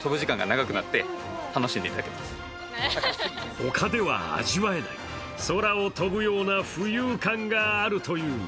他では味わえない、空を飛ぶような浮遊感があるという。